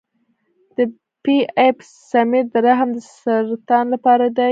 د پی ایپ سمیر د رحم د سرطان لپاره دی.